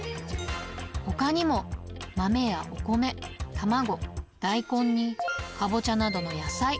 ほかにも、豆やお米、卵、大根にカボチャなどの野菜。